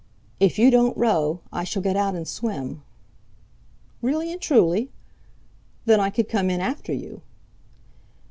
"If you don't row, I shall get out and swim." "Really and truly? Then I could come in after you."